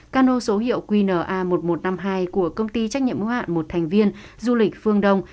cano số hiệu qna một nghìn một trăm năm mươi hai của công ty trách nhiệm hữu hạn một thành viên du lịch phương đông